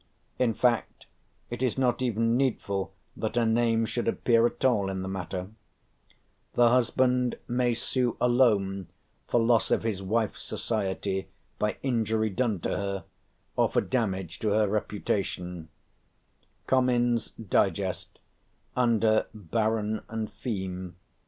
In fact, it is not even needful that her name should appear at all in the matter: "the husband may sue alone for loss of his wife's society by injury done to her, or for damage to her reputation" (Comyn's Digest, under "Baron and Feme").